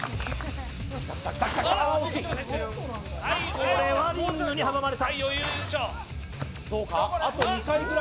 これはリングに阻まれた。